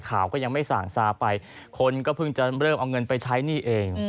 ข่าวก็ยังไม่สั่งซาไปคนก็เพิ่งจะเริ่มเอาเงินไปใช้หนี้เอง